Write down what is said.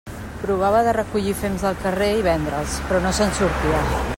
Provava de recollir fems del carrer i vendre'ls, però no se'n sortia.